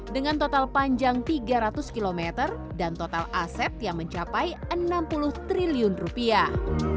dengan total panjang tiga ratus km dan total aset yang mencapai enam puluh triliun rupiah